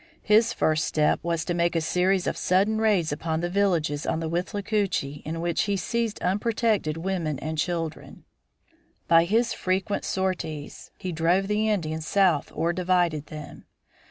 His first step was to make a series of sudden raids upon the villages on the Withlacoochee in which he seized unprotected women and children. By his frequent sorties he drove the Indians south or divided them.